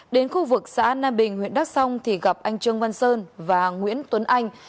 đến khu vực xã nam bình huyện đắk xong thì gặp anh trương văn sơn và nguyễn tuấn anh